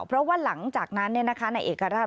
เพราะว่าหลังจากนั้นเนี้ยนะคะนายเอกราช